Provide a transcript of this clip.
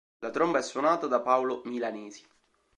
La tromba è suonata da Paolo Milanesi.